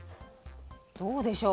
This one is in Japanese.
どうでしょう？